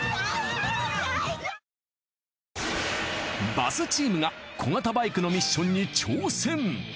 バスチームが小型バイクのミッションに挑戦！